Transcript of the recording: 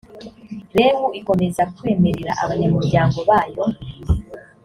rewu ikomeza kwemerera abanyamuryango bayo